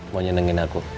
mau nyenengin aku